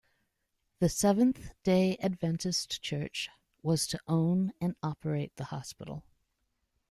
The Seventh-Day Adventist Church was to own and operate the hospital.